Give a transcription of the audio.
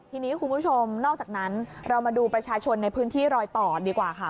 ทีนี้คุณผู้ชมนอกจากนั้นเรามาดูประชาชนในพื้นที่รอยต่อดีกว่าค่ะ